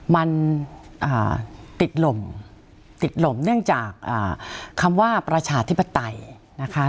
มันติดลมติดหล่มเนื่องจากคำว่าประชาธิปไตยนะคะ